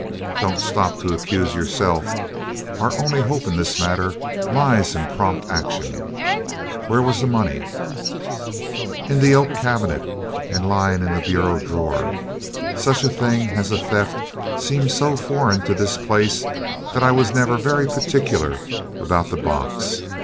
"Don't stop to accuse yourself. Our only hope in this matter lies in prompt action. Where was the money?" "In the oak cabinet and lying in the bureau drawer. Such a thing as a theft seemed so foreign to this place that I was never very particular about the box.